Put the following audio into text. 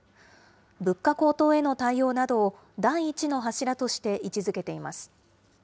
物価高騰への対応などを第１の柱として位置づけています。